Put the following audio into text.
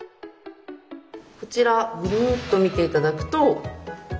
こちらぐるっと見て頂くと。